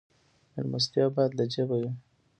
میلمستیا باید له جیبه وي